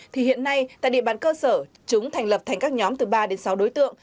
thì hiện nay tại địa bàn cơ sở chúng thành lập thành các nhóm từ ba đến sáu đối tượng